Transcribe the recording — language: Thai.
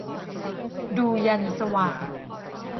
ดูยันสว่าง